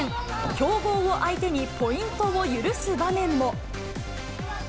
強豪を相手にポイントを許す場面も。